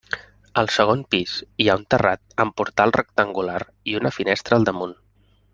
Al segon pis hi ha un terrat amb portal rectangular i una finestra al damunt.